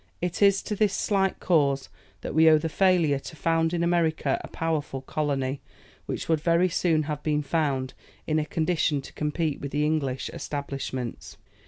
It is to this slight cause that we owe the failure to found in America a powerful colony, which would very soon have been found in a condition to compete with the English establishments.